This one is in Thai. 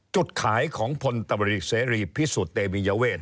จุดขายของพลตบริกเหรีพฤษุเตมียเวท